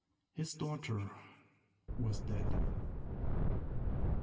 His daughter was dead.